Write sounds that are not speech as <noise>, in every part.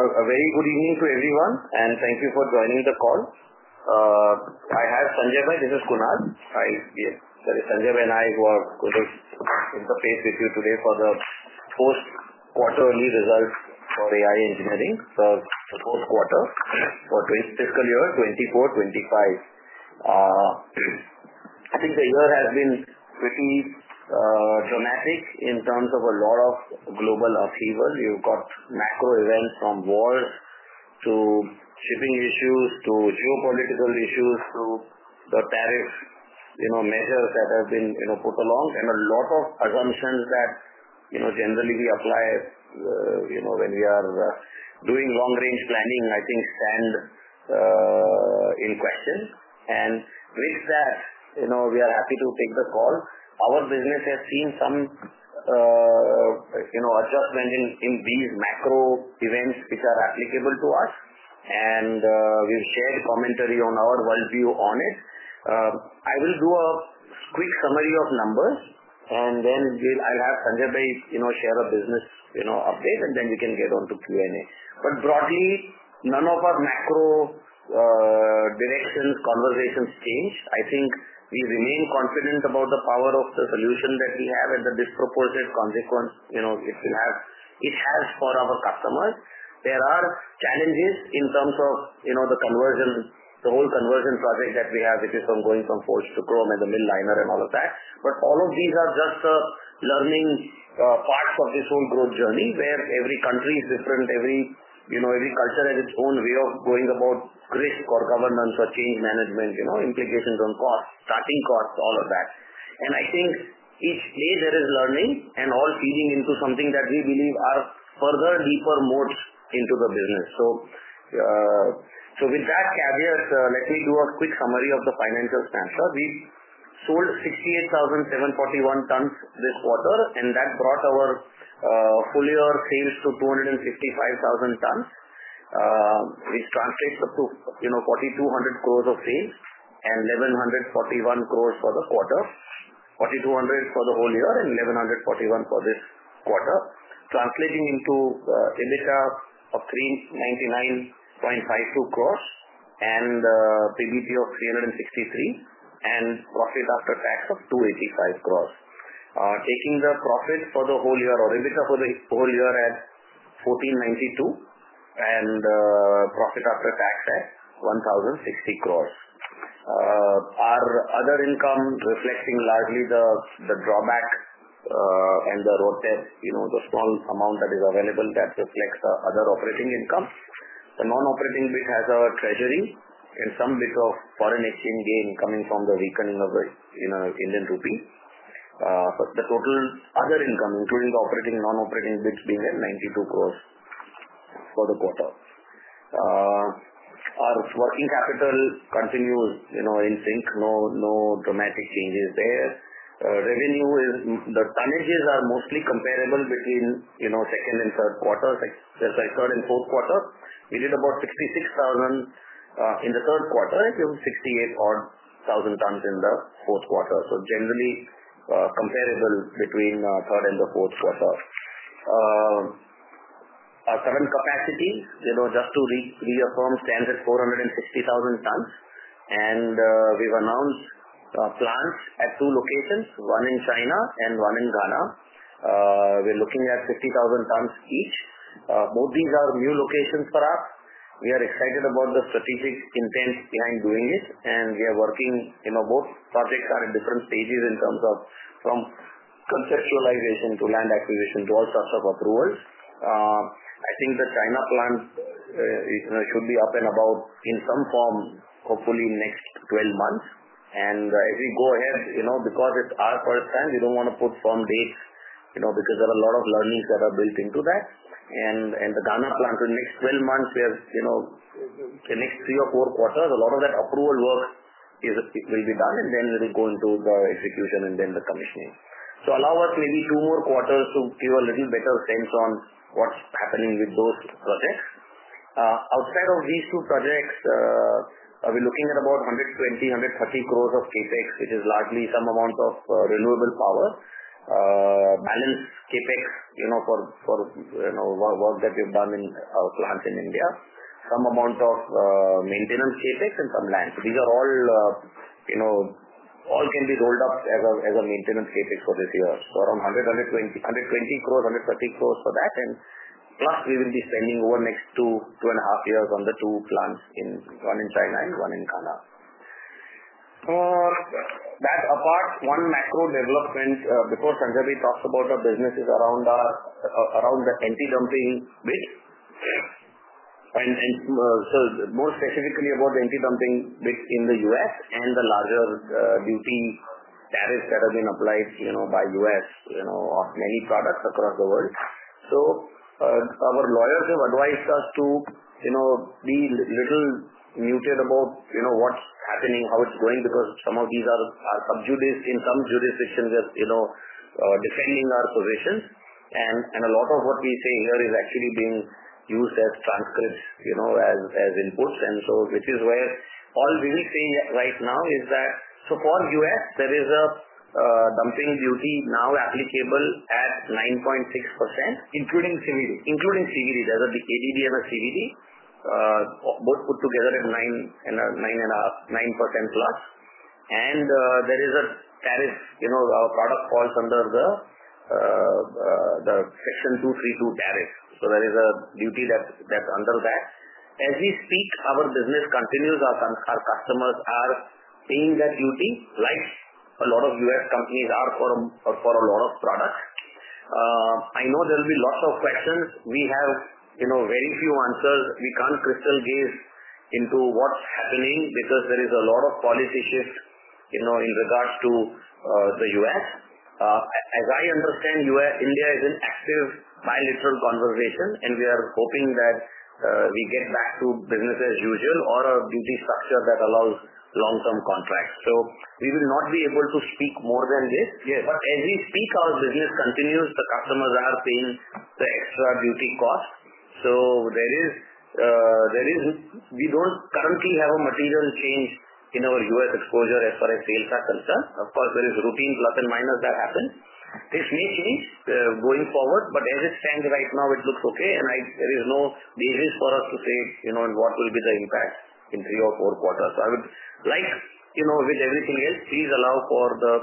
A very good evening to everyone, and thank you for joining the call. Hi Sanjay Bhai, this is Kunal. Sanjay Bhai and I were in the place with you today for the post-quarterly results for AIA Engineering, so the fourth quarter for the fiscal year 2024-2025. I think the year has been pretty dramatic in terms of a lot of global upheaval. You've got macro events from war to shipping issues to geopolitical issues to the tariff measures that have been put along, and a lot of assumptions that generally we apply when we are doing long-range planning, I think, and inflection. With that, we are happy to take the call. Our business has seen some adjustment in these macro events which are applicable to us, and we'll share commentary on our worldview on it. I will do a quick summary of numbers, and then I'll have Sanjay Bhai share a business update, and then we can get on to Q&A. Broadly, none of our macro directions conversations change. I think we remain confident about the power of the solution that we have and the disproportionate consequence it has for our customers. There are challenges in terms of the conversion, the whole conversion project that we have, which is going from forged to chrome and the mill liner and all of that. All of these are just learning parts of this whole growth journey where every country is different, every culture has its own way of going about risk or governance or change management, implications on costs, starting costs, all of that. I think each day there is learning and all feeding into something that we believe are further, deeper modes into the business. With that, let me do a quick summary of the financial plan. We sold 68,741 tons this quarter, and that brought our full year sales to 265,000 tons, which translates to 4,200 crore of sales and 1,141 crore for the quarter, 4,200 crore for the whole year and 1,141 crore for this quarter, translating into a TDC of 399.52 crore and PBT of 363 crore, and profit after tax of 285 crore. Taking the profit for the whole year or EBITDA for the whole year at 1,492 crore and profit after tax at 1,060 crore. Our other income reflecting largely the drawback and the road tax, the small amount that is available that reflects the other operating income. The non-operating bit has our treasury and some bit of foreign exchange gain coming from the weakening of the Indian rupee. The total other income, including the operating and non-operating bits, being 92 crore for the quarter. Our working capital continues in sync. No dramatic changes there. Revenue, the energy is mostly comparable between second and third quarters. As I said, in the third quarter, we did about 66,000 tons and 68,000 tons in the fourth quarter. Generally comparable between the third and the fourth quarter. Our current capacity, just to reaffirm, stands at 460,000 tons. We have announced plans at two locations, one in China and one in Ghana. We are looking at 50,000 tons each. Both these are new locations for us. We are excited about the strategic intent behind doing it, and we are working in both projects are in different stages in terms of from conceptualization to land acquisition to all types of approval. I think the China plant should be up and about in some form, hopefully in the next 12 months. As we go ahead, because it's our first time, we don't want to put firm date because there are a lot of learnings that are built into that. The Ghana plant in the next 12 months is the next three or four quarters. A lot of that approval work will be done, and then we'll go into execution and then the commissioning. Allow us maybe two more quarters to give a little better sense on what's happening with both projects. Outside of these two projects, we're looking at about 120-130 crore of CapEx, which is largely some amount of renewable power, balance CapEx for work that we've done in plants in India, some amount of maintenance CapEx, and some land. These all can be rolled up as a maintenance CapEx for this year. Around 120-130 crore for that. Plus, we will be spending over the next two and a half years on the two plants, one in China and one in Ghana. That apart, one macro development, because Sanjay talked about our businesses around the anti-dumping bits. More specifically about the anti-dumping bits in the U.S. and the larger duty tariffs that have been applied by the U.S. on many products across the world. Our lawyers have advised us to be a little muted about what's happening, how it's going, because some of these are subjugated in some jurisdictions that are defending our positions. A lot of what we see here is actually being used as transcripts, as inputs. Which is where all we're seeing right now is that so far U.S., there is a dumping duty now applicable at 9.6%, including CVD, including CVD. There's an ADD and a CVD, both put together at 9% plus. There is a tariff, our product falls under the Section 232 tariff. There is a duty that's under that. As we speak, our business continues, our customers are paying that duty like a lot of U.S. companies are for a lot of products. I know there will be lots of questions. We have very few answers. We can't crystallize into what's happening because there is a lot of policy shift in regards to the U.S. As I understand, India is in active bilateral conversation, and we are hoping that we get back to business as usual or a duty structure that allows long-term contracts. We will not be able to speak more than this. As we speak, our business continues, the customers are paying the extra duty cost. There is, we don't currently have a material change in our U.S. exposure as far as sales are concerned. Of course, there is routine plus and minus that happens. This week is going forward, but as it stands right now, it looks okay, and there is no decision for us to say what will be the impact in three or four quarters. I would like, with everything else, please allow for the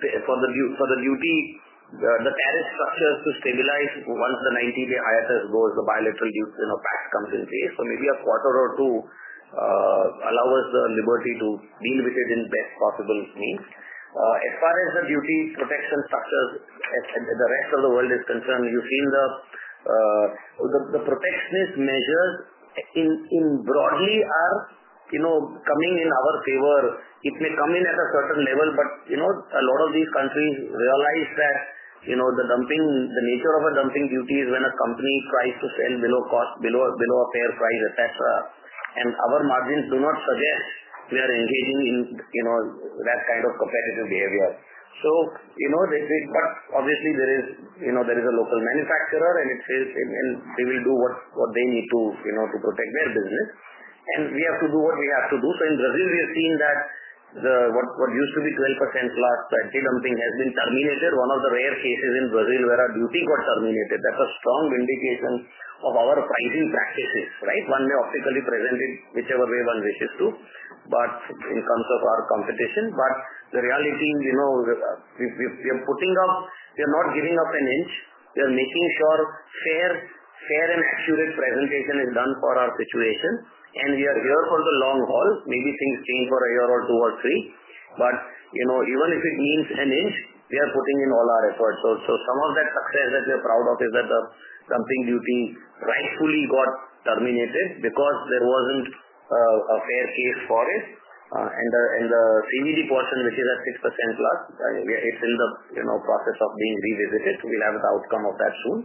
duty, the tariff structure to stabilize once the 90-day ISS goes, the bilateral duty pass comes into place. Maybe a quarter or two allow us the liberty to deal with it in best possible means. As far as the duty protection structures, the rest of the world is concerned, you've seen the protectionist measures broadly are coming in our favor. It may come in at a certain level, but a lot of these countries realize that the nature of a dumping duty is when a company tries to sell below a fair price at that time. Our margins do not suggest we are engaging in that kind of offensive behavior. Obviously, there is a local manufacturer, and it says they will do what they need to protect their business. We have to do what we have to do. In Brazil, we have seen that what used to be 12% plus anti-dumping has been terminated. One of the rare cases in Brazil where a duty got terminated, that is a strong indication of our fighting practices, right? One may optically present it whichever way one wishes to, in terms of our competition. The reality is, we are putting up, we are not giving up an inch. We are making sure fair and accurate presentation is done for our situation. We are here for the long haul. Maybe things change for a year or two or three. Even if it means an inch, we are putting in all our efforts. Some of that success that we are proud of is that the dumping duty rightfully got terminated because there was not a fair case for it. The CBD portion, which is at 6%+, is in the process of being revisited. We will have the outcome of that soon.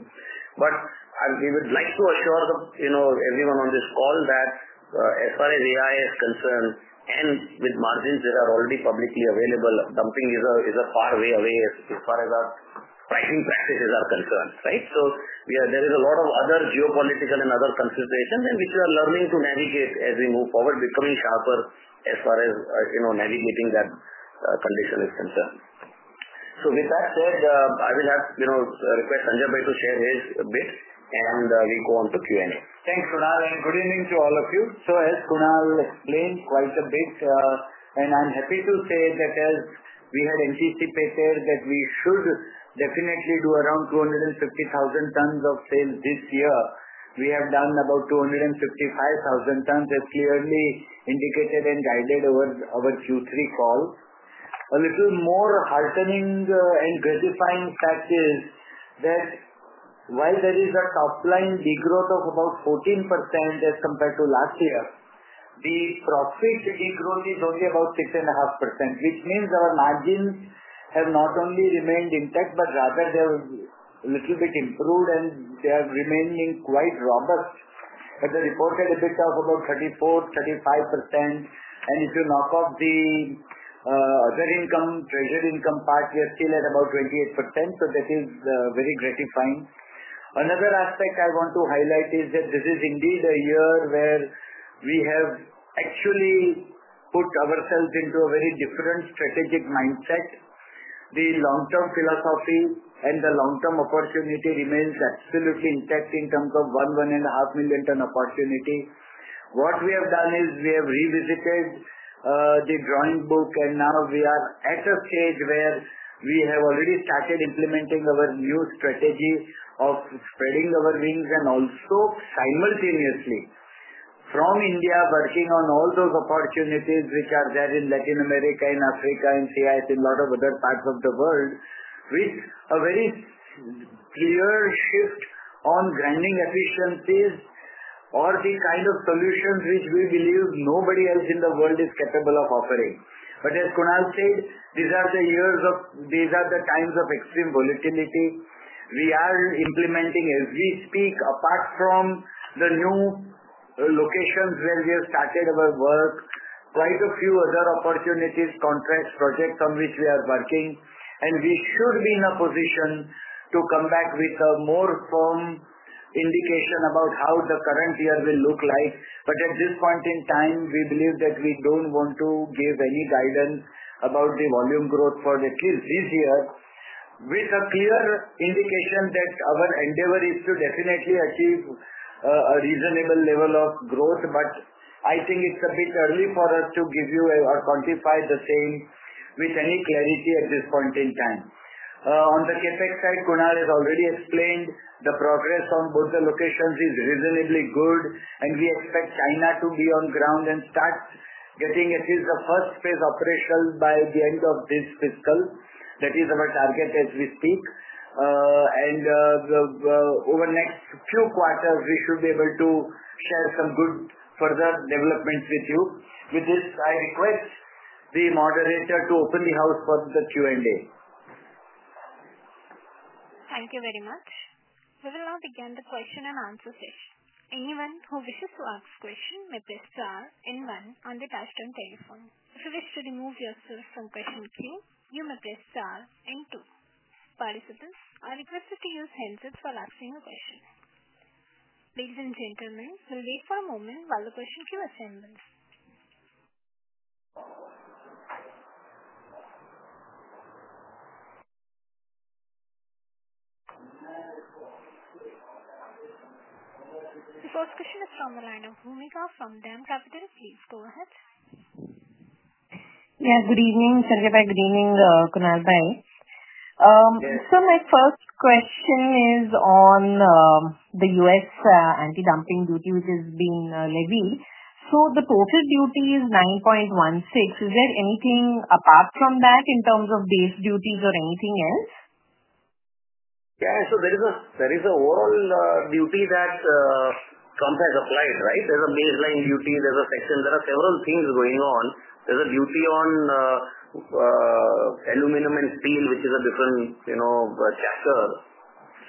We would like to assure everyone on this call that as far as AIA Engineering and with margins that are already publicly available, dumping is a far way away as far as our pricing practices are concerned, right? There are a lot of other geopolitical and other considerations which we are learning to navigate as we move forward, becoming sharper as far as navigating that condition is concerned. With that, I will ask Sanjay Bhai to share his bit, and we will go on to Q&A. Thanks, Kunal. Good evening to all of you. As Kunal explained quite a bit, I am happy to say that as we had MCCP said that we should definitely do around 250,000 tons of sales this year. We have done about 255,000 tons, as clearly indicated and guided over Q3 calls. A little more heartening and gratifying fact is that while there is a top-line degrowth of about 14% as compared to last year, the cross-free city growth is only about 6.5%, which means our margins have not only remained intact, but rather they have a little bit improved, and they are remaining quite robust. As I reported, a bit of about 34%-35%. If you knock off the other income, treasury income part, we are still at about 28%. That is very gratifying. Another aspect I want to highlight is that this is indeed a year where we have actually put ourselves into a very different strategic mindset. The long-term philosophy and the long-term opportunity remains absolutely intact in terms of one, one and a half million ton opportunity. What we have done is we have revisited the drawing book, and now we are at a stage where we have already started implementing our new strategy of spreading our wings and also simultaneously from India working on all those opportunities which are there in Latin America and Africa and CIS in a lot of other parts of the world with a very clear shift on branding efficiencies or the kind of solutions which we believe nobody else in the world is capable of offering. As Kunal said, these are the years of these are the times of extreme volatility. We are implementing as we speak apart from the new locations where we have started our work, quite a few other opportunities, contracts, projects on which we are working. We should be in a position to come back with a more firm indication about how the current year will look like. At this point in time, we believe that we do not want to give any guidance about the volume growth for at least this year with a clear indication that our endeavor is to definitely achieve a reasonable level of growth. I think it is a bit early for us to give you or quantify the same with any clarity at this point in time. On the CPEC side, Kunal has already explained the progress on both the locations is reasonably good, and we expect China to be on ground and start getting at least the first phase operational by the end of this fiscal. That is our target as we speak. Over the next few quarters, we should be able to share some good further developments with you. With this, I request the moderator to open the house for the Q&A. Thank you very much. We will now begin the question and answer phase. Anyone who wishes to ask a question may press star and one on the touchscreen telephone. If you wish to remove yourself from present view, you may press star and two. Participants, I request that you use hands up for asking a question. Ladies and gentlemen, please wait for a moment while the questions are assembled. The first question is from the line of Bhoomika from DAM Capital. Please go ahead. Yeah, good evening, Sanjay Bhai. Good evening, Kunal. My first question is on the US anti-dumping duty, which is being levied. The total duty is 9.16%. Is there anything apart from that in terms of base duties or anything else? Yeah, so there is an overall duty that Trump has applied, right? There is a baseline duty. There is a section. There are several things going on. There is a duty on aluminum and steel, which is a different chapter.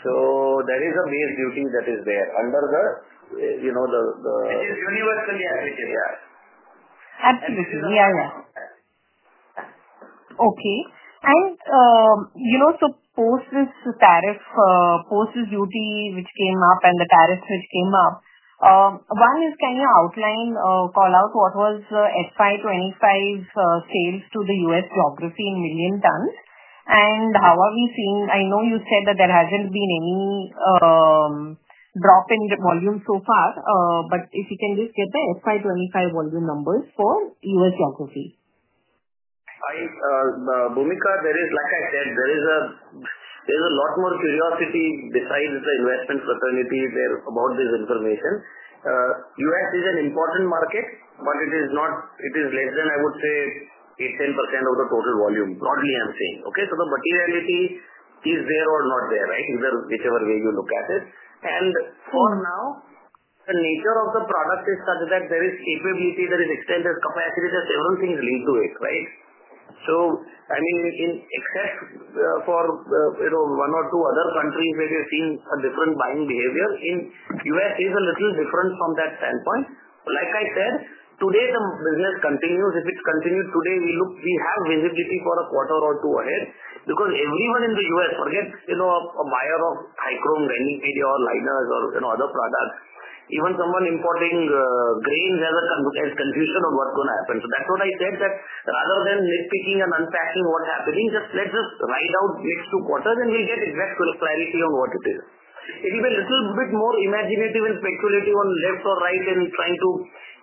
So there is a base duty that is there under the universal charity. Absolutely. Yeah, yeah. Okay. Post this tariff, post this duty which came up and the tariffs which came up, one is can you outline, call out what was the FY 2025 sales to the US geography in million tons? How are we seeing? I know you said that there hasn't been any drop in the volume so far, but if you can just get the FY 2025 volume numbers for US geography. Right. Bhoomika, there is, like I said, there is a lot more curiosity besides the investment fraternities about this information. U.S. is an important market, but it is less than, I would say, 8% of the total volume, broadly I'm saying. Okay? The materiality is there or not there, right? Whichever way you look at it. For now, the nature of the product is such that there is capability, there is extended capacity, that everything is linked to it, right? I mean, except for one or two other countries where you're seeing a different buying behavior, in U.S. is a little different from that standpoint. Like I said, today the business continues. If it continued today, we have visibility for a quarter or two ahead because everyone in the U.S., forget a buyer of high-chrome grinding media or liners or other products, even someone importing grains has a transition of what's going to happen. That is what I said, that rather than taking an unfashioned what's happening, just let's just ride out these two quarters and we'll get exact clarity on what it is. It will be a little bit more imaginative and speculative on left or right and trying to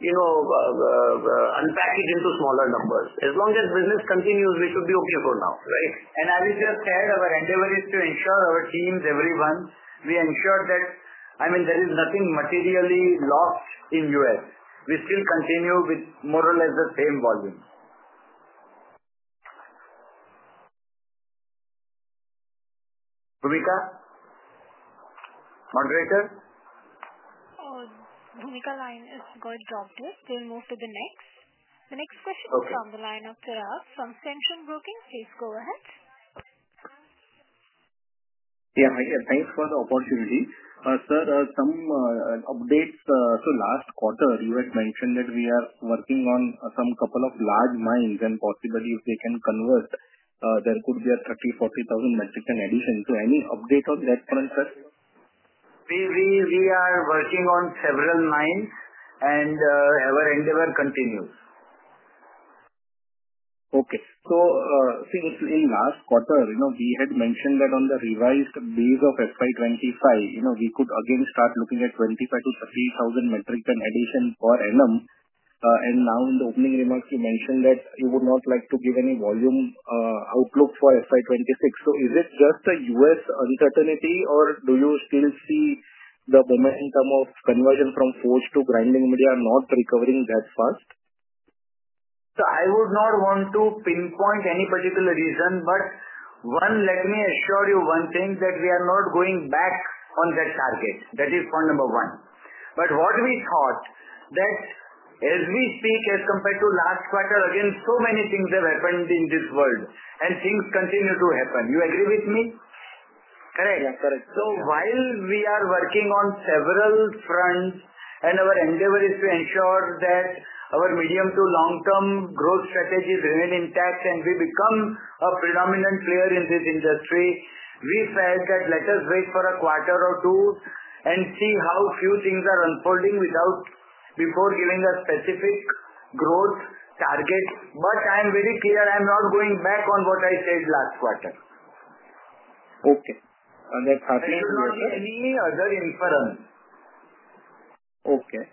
unpack it into smaller numbers. As long as business continues, we should be okay for now, right? As we just said, our endeavor is to ensure our teams, everyone, we ensured that, I mean, there is nothing materially lost in the U.S. We still continue with more or less the same volumes. Bhoomika? Moderator? Bhoomika line is going dropped there. Staying moved to the next. The next question is from the line of [Feraz]. from. <audio distortion> Please go ahead. Yeah, hi there. Thanks for the opportunity. Sir, some updates. Last quarter, you had mentioned that we are working on a couple of large mines and possibly if they can convert, there could be a 30,000-40,000 Mexican addition. Any update on that front, sir? We are working on several mines and our endeavor continues. Okay. Since last quarter, he had mentioned that on the revised base of FY 2025, we could again start looking at 25,000-30,000 metric ton addition per annum. Now in the opening remarks, he mentioned that he would not like to give any volume outlook for FY 2026. Is it just a U.S. uncertainty or do you still see the momentum of conversion from forged to grinding media not recovering that fast? I would not want to pinpoint any particular reason, but one, let me assure you one thing that we are not going back on that target. That is point number one. What we thought is that as we speak as compared to last quarter, again, so many things have happened in this world and things continue to happen. You agree with me? Correct? Yeah, correct. While we are working on several fronts and our endeavor is to ensure that our medium to long-term growth strategies remain intact and we become a predominant player in this industry, we felt that let us wait for a quarter or two and see how few things are unfolding before giving a specific growth target. I'm very clear I'm not going back on what I said last quarter. Okay. I should not need any other inference. Okay.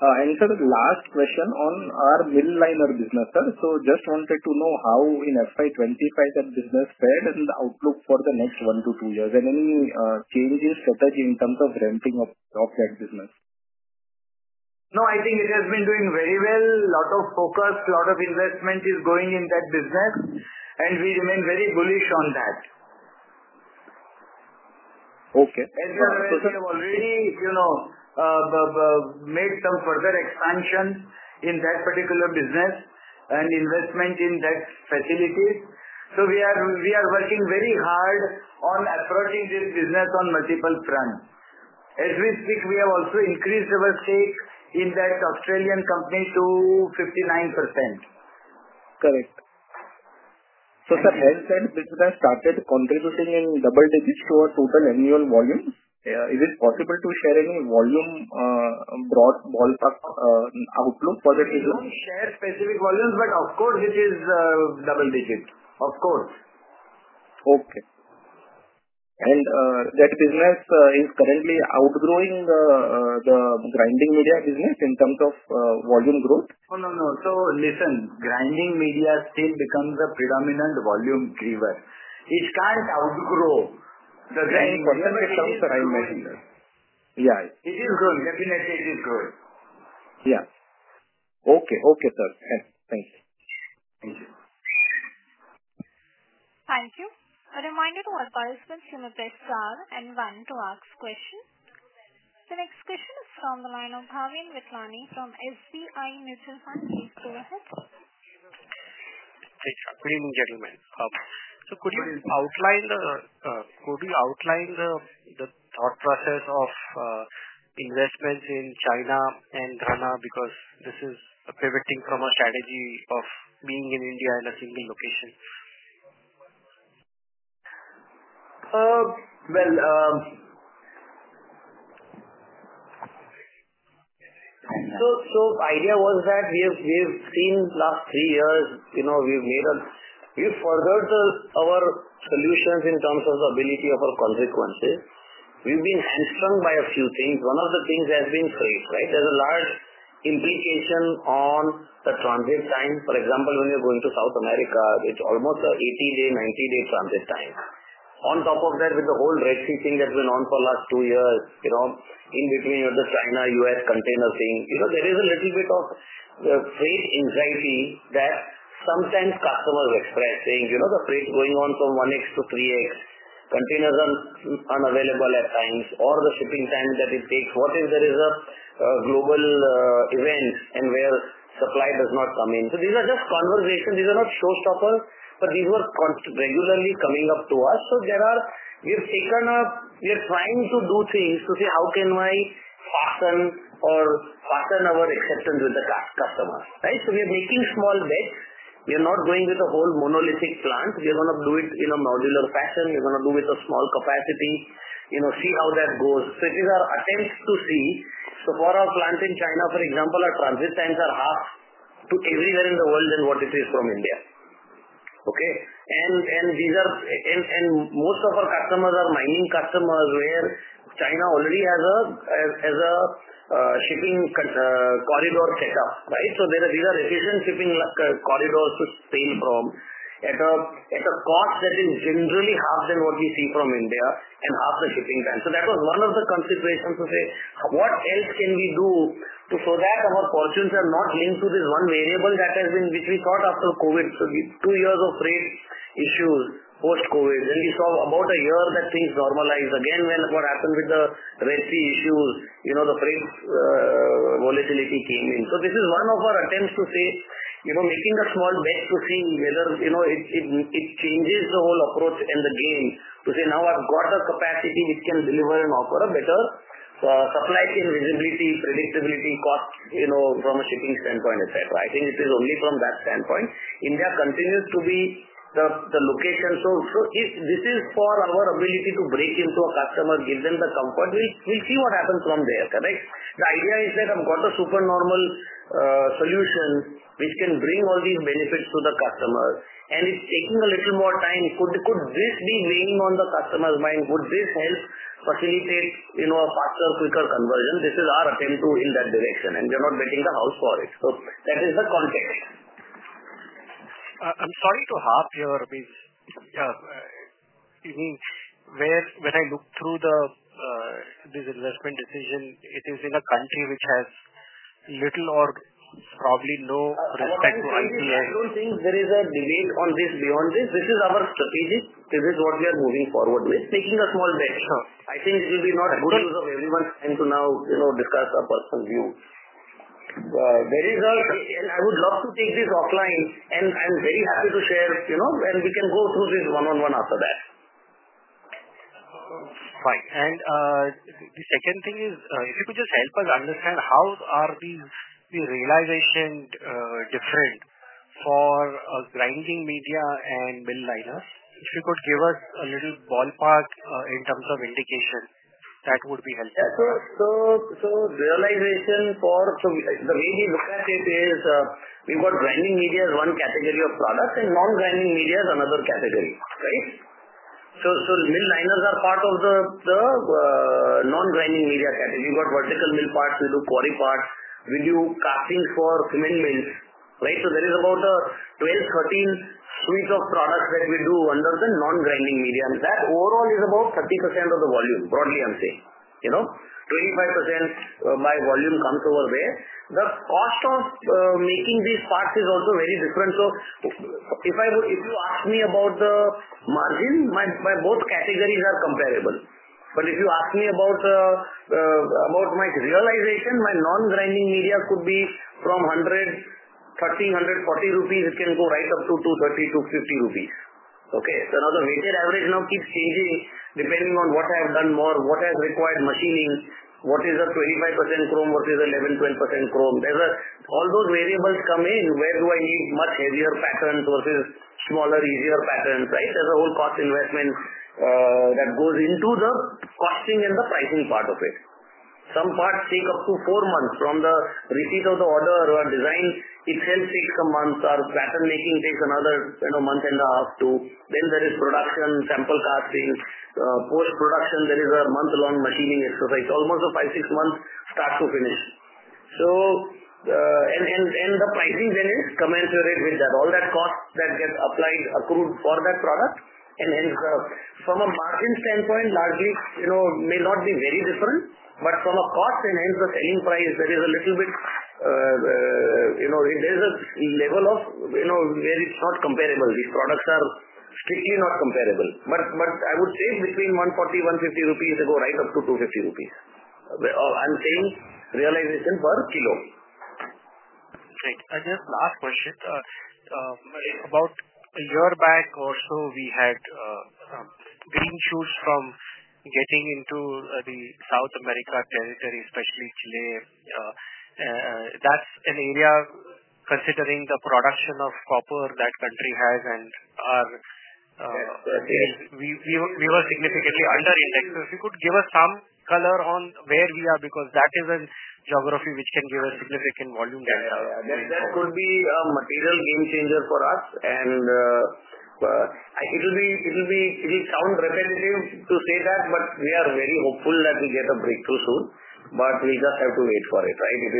Sir, last question on our mill liner business, sir. Just wanted to know how in FY 2025 that business fared and the outlook for the next one to two years and any changes such as in terms of renting of that business. No, I think it has been doing very well. A lot of focus, a lot of investment is going in that business, and we remain very bullish on that. Okay. As you know, we have already made some further expansion in that particular business and investment in that facility. We are working very hard on approaching this business on multiple fronts. As we speak, we have also increased our stake in that Australian company to 59%. Correct. Sir, when you said business started contributing in double digits to our total annual volume, is it possible to share any volume broad ballpark outlook for that result? Share specific volumes, but of course, it is double digits. Of course. Okay. That business is currently outgrowing the grinding media business in terms of volume growth? Oh, no, no. Listen, grinding media still becomes a predominant volume driver. It starts to outgrow the grinding media in terms of I imagine that. Yeah. It is growing. Let me make it growing. Yeah. Okay. Okay, sir. Thanks. Thank you. A reminder to all participants in the text file and one to ask questions. The next question is from the line of <audio distortion> from SBI Mutual Fund. Please go ahead. Thanks, ladies and gentlemen. Could you outline the thought process of investments in China and Ghana because this is a pivoting from a strategy of being in India in a single location? The idea was that we have seen the last three years, we've made a, we've furthered our solutions in terms of the ability of our consequences. We've been handstrung by a few things. One of the things has been phased, right? There's a large implication on the transit time. For example, when you're going to South America, it's almost an 80-day, 90-day transit time. On top of that, with the whole Red Sea thing that went on for the last two years, in between the China-U.S. container thing, there is a little bit of the same anxiety that sometimes customers express, saying, you know, the freight going on from 1X to 3X, containers are unavailable at times, or the shipping time that it takes. What if there is a global event and where supply does not come in? These are just conversations. These are not showstoppers, but these were regularly coming up to us. There are, we've taken a, we're trying to do things to see how can we fasten or fasten our acceptance with the customers, right? We are making small beds. We are not going with a whole monolithic plant. We are going to do it in a modular fashion. We are going to do with a small capacity, see how that goes. These are attempts to see. For our plant in China, for example, our transit times are half to everywhere in the world than what it is from India. These are, and most of our customers are mining customers where China already has a shipping corridor set up, right? There are resistant shipping corridors to stay from at a cost that is generally half than what we see from India and half the shipping time. That was one of the considerations to say, what else can we do to show that our fortunes are not linked to this one variable that has been with recall after COVID? These two years of freight issues post-COVID, then we saw about a year that things normalized again when what happened with the Red Sea issue, the freight volatility came in. This is one of our attempts to say, making a small bet to see whether it changes the whole approach and the game to say, now I've got the capacity, it can deliver and offer a better supply chain visibility, predictability, cost from a shipping standpoint, etc. I think it is only from that standpoint. India continues to be the location. This is for our ability to break into a customer, give them the comfort, we'll see what happens from there, correct? The idea is that I've got the supernormal solutions which can bring all these benefits to the customer. It's taking a little more time. Could this be weighing on the customer's mind? Would this help facilitate a faster, quicker conversion? This is our attempt in that direction. We are not betting the house for it. That is the context. I'm sorry to half your, excuse me, when I look through this investment decision, it is in a country which has little or probably no respect to IPA. I don't think there is a debate on this beyond this. This is our strategy. This is what we are moving forward with, taking a small bet. I think it will be not good use of everyone's time to now discuss a personal view. I would love to take this offline, and I'm very happy to share, and we can go through this one-on-one after that. Fine. The second thing is, if you could just help us understand how are these realizations different for grinding media and mill liner? If you could give us a little ballpark in terms of indication, that would be helpful. Realization for, when we look at it is, we've got grinding media as one category of product and non-grinding media as another category, right? Mid-liners are part of the non-grinding media category. We've got vertical mill parts, we do quarry parts, we do castings for cement mills, right? There is about 12 weeks-13 weeks of products that we do under the non-grinding media. That overall is about 30% of the volume, broadly I'm saying. 25% by volume comes over there. The cost of making these parts is also very different. If you ask me about the margin, my both categories are comparable. If you ask me about my realization, my non-grinding media could be from 100, 1,300 rupees, 140 rupees, it can go right up to 230-250 rupees. Okay. The retail average now keeps changing depending on what I have done more, what has required machines, what is the 25% chrome, what is the 11%, 12% chrome. There are all those variables that come in, where do I need much heavier patterns versus smaller, easier patterns, right? There is a whole cost investment that goes into the costing and the pricing part of it. Some parts take up to four months from the receipt of the order, or design itself takes a month, or pattern making takes another kind of month and a half to, then there is production, sample casting, post-production, there is a month-long machining exercise, almost a five, six months start to finish. The pricing then is commensurate with that. All that cost that gets applied, accrued for that product, and hence from a margin standpoint, largely may not be very different, but from a cost and hence the selling price, there is a little bit, there is a level of where it's not comparable. These products are strictly not comparable, but I would say between 140-150 rupees it goes right up to 250 rupees. I'm saying realization per kilo. Great. Just last question about a year back or so, we had green shoots from getting into the South America territory, especially Chile. That is an area considering the production of copper that country has, and we were significantly underindexed. If you could give us some color on where we are because that is a geography which can give us significant volume data. That could be a material game changer for us, and it will sound repetitive to say that, but we are very hopeful that we get a breakthrough soon, we just have to wait for it, right? It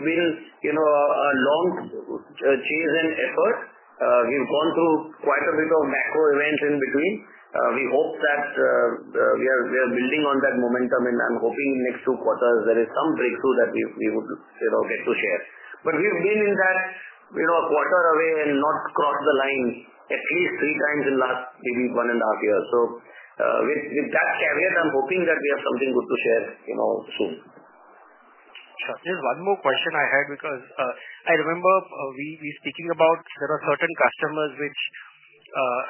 will be a long chase and effort. We've gone through quite a bit of macro events in between. We hope that we are building on that momentum, and I'm hoping next two quarters there is some breakthrough that we would be able to share. We have been in that quarter away and not crossed the line at least three times in the last maybe one and a half years. With that caveat, I'm hoping that we have something good to share soon. Sir, just one more question I had because I remember we were speaking about there are certain customers which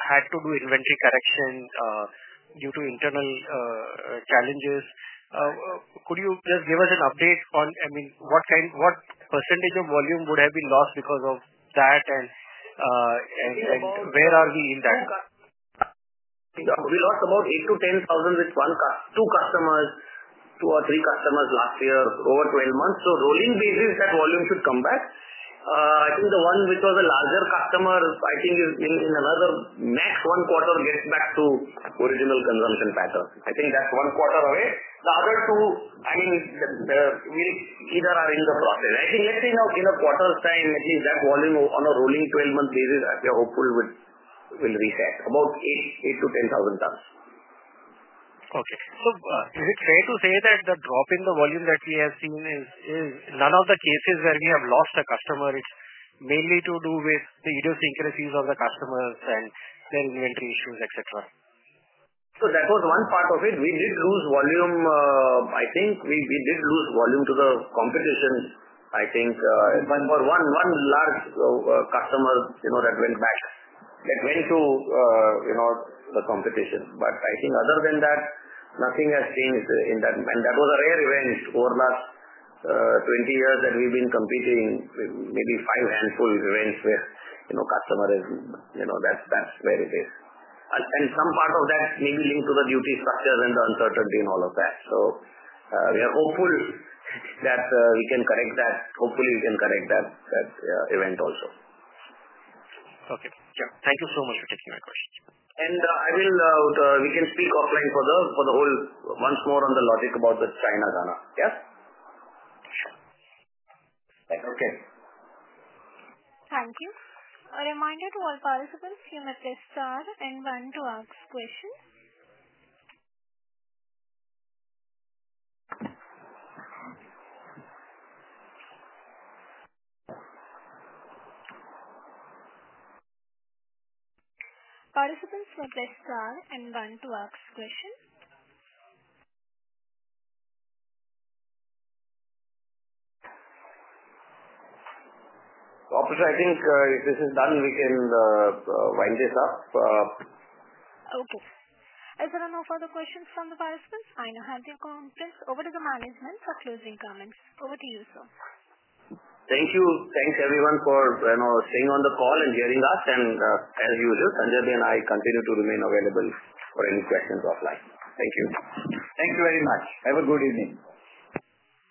had to do inventory correction due to internal challenges. Could you just give us an update on, I mean, what percentage of volume would have been lost because of that, and where are we in that? We lost about 8,000-10,000 with two customers, two or three customers last year, over 12 months. On a rolling basis, that volume should come back. I think the one which was a larger customer, I think in another max one quarter will get back to original consumption patterns. I think that's one quarter away. The other two, I mean, we either are in the process. I think let's say now in a quarter's time, I think that volume on a rolling 12-month basis, we are hopeful will reset about 8,000 tons-10,000 tons. Okay. Is it fair to say that the drop in the volume that we have seen is none of the cases where we have lost a customer, it is mainly to do with idiosyncrasies of the customers and their inventory issues, etc.? That was one part of it. We did lose volume. I think we did lose volume to the competition, I think, but one large customer that went back, that went to the competition. I think other than that, nothing has changed in that. That was a rare event over the last 20 years that we've been competing, maybe five handful of events where customer is, that's where it is. Some part of that is linked to the duty structures and the uncertainty and all of that. We are hopeful that we can correct that. Hopefully, we can correct that event also. Okay. Thank you so much for taking my question. We can speak offline for the whole once more on the logic about the China-Ghana, yeah? Thank you. Thank you. A reminder to all participants, you may press star and one to ask questions. Participants may press star and one to ask questions. Copy, I think this is done. We can wind this up. Okay. Is there no further questions from the participants? I now hand the account over to the management for closing comments. Over to you, sir. Thank you. Thanks everyone for staying on the call and hearing us. As usual, Sanjay and I continue to remain available for any questions offline. Thank you. Thank you very much. Have a good evening.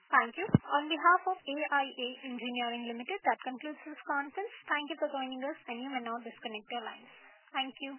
Thank you. On behalf of AIA Engineering Limited, that concludes this conference. Thank you for joining us, and you may now disconnect the line. Thank you.